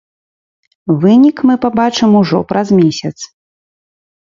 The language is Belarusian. Вынік мы пабачым ужо праз месяц.